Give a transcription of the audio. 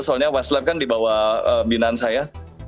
soalnya westlife kan di bawah binaan saya